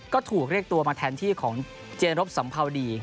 ก็ถูกเรียกตัวมาแทนที่ของเจรบสัมภาวดี